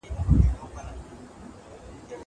درسونه واوره!